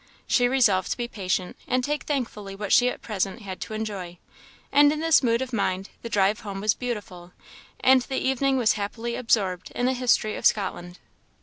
She resolved to be patient, and take thankfully what she at present had to enjoy; and in this mood of mind, the drive home was beautiful; and the evening was happily absorbed in the history of Scotland.